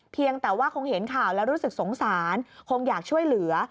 เพียงแต่ว่าคงเห็นข่าวแล้วรู้สึกสงสารคงอยากช่วยเหลือ